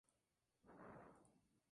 La información era correcta.